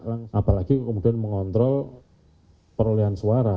apalagi kemudian mengontrol perolehan suara